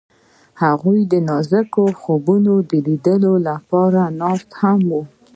هغوی د نازک خوبونو د لیدلو لپاره ناست هم وو.